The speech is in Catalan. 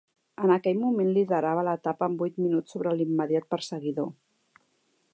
En aquell moment liderava l'etapa amb vuit minuts sobre l'immediat perseguidor.